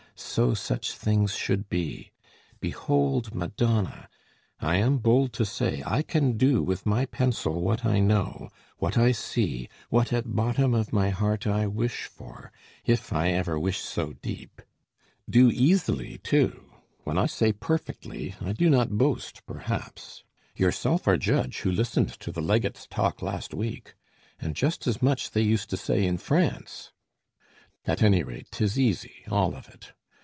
so such things should be; Behold Madonna! I am bold to say, I can do with my pencil what I know, What I see, what at bottom of my heart I wish for, if I ever wish so deep Do easily, too when I say perfectly, I do not boast, perhaps: yourself are judge, Who listened to the Legate's talk last week; And just as much they used to say in France, At any rate 'tis easy, all of it!